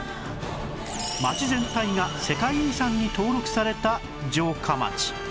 町全体が世界遺産に登録された城下町